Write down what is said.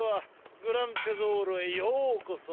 グラン・テゾーロへようこそ。